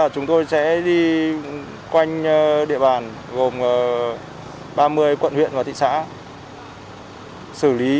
chúng tôi sẽ đi quanh địa bàn gồm ba mươi quận huyện và thị xã xử lý